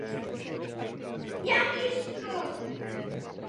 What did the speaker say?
Univerzita jeho jménem pojmenovala profesuru matematiky a místní Atrium.